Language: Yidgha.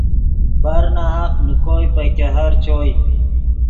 برناحق نے کوئے پے ګہر چوئے